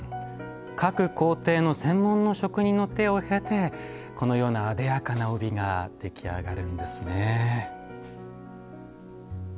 各工程の専門の職人の手を経てこのようなあでやかな帯が出来上がるんですね。